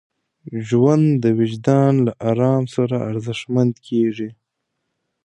ژوند د وجدان له ارام سره ارزښتمن کېږي.